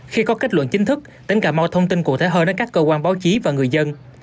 khi có kết luận chính thức tỉnh cà mau thông tin cụ thể hơn đến các cơ quan báo chí và người dân